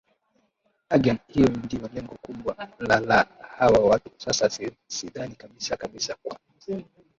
agan hiyo ndio lengo kubwa la la hawa watu sasa sidhani kabisa kabisa kwa